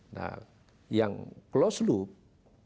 nah yang closed loop